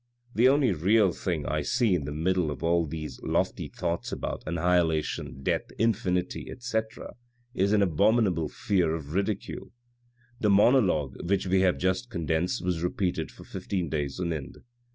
"The only real thing I see in the middle of all these 420 THE RED AND THE BLACK lofty thoughts about annihilation, death, infinity, etc., is an abominable fear of ridicule." The monologue which we have just condensed was repeated for fifteen days on end.